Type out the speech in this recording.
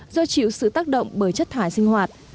do chịu sự tác động bởi chất thải sinh hoạt